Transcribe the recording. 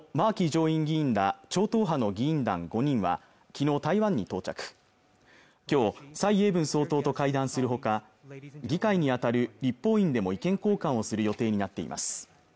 上院議員ら超党派の議員団５人は昨日台湾に到着今日蔡英文総統と会談するほか議会に当たる立法院でも意見交換をする予定になっています